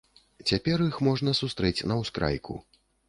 Цяпер іх можна сустрэць на ускрайку.